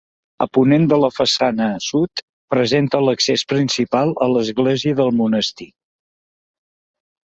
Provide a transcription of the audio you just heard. A ponent de la façana sud presenta l'accés principal a l'església del monestir.